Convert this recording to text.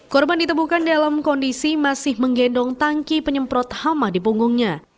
korban ditemukan dalam kondisi masih menggendong tangki penyemprot hama di punggungnya